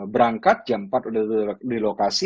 berangkat jam empat udah di lokasi